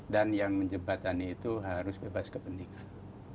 dan yang menjembatani itu harus bebas kepentingan